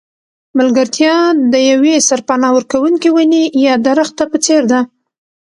ملګرتیا د یوې سرپناه ورکوونکې ونې یا درخته په څېر ده.